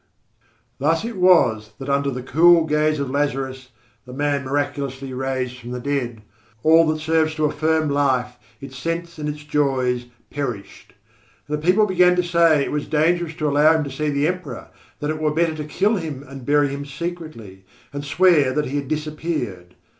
Thus it was that under the cool gaze of Lazarus, the man miraculously raised from the dead, all that serves to affirm life, its sense and its joys, perished. And people began to say it was dangerous to allow him to see the Emperor; that it were better to kill him and bury him secretly, and swear he had disappeared.